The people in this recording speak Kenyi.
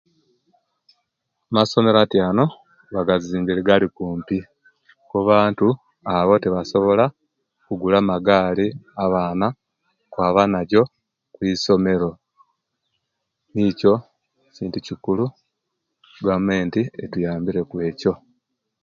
Amasomero atyaanu bagazimbire gali kumpi abantu abo tebasobola okugula amagaali abaana okwaba nago kwisomero nikyo ekintu kikulu egavumenti etuyambire ku ekyo.